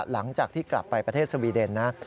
หลังจากที่กลับไปประเทศสวีเดนนะ